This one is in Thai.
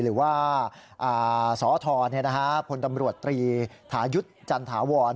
หรือว่าสธพลตำรวจตรีทายุทธ์จันถาวร